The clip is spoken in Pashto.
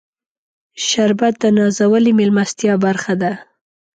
شربت د نازولې میلمستیا برخه ده